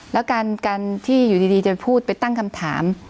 แล้วการที่อยู่ดีจะพูดไปตั้งคำถาม